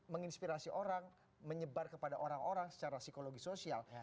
menginspirasi orang menyebar kepada orang orang secara psikologi sosial